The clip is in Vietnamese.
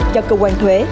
cho cơ quan thuế